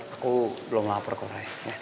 aku belum lapar kok raya